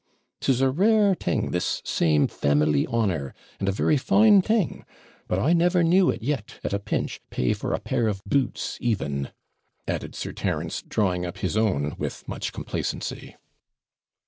'Tis a rare thing, this same family honour, and a very fine thing; but I never knew it yet, at a pinch, pay for a pair of boots even,' added Sir Terence, drawing up his own with much complacency.